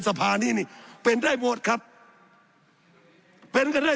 สับขาหลอกกันไปสับขาหลอกกันไป